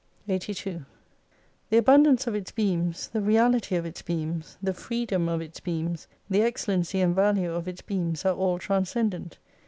301 82 The abundance of its beams, the reality of its beams, the freedom of its beams, the excellency and value of its beams are all transcendent.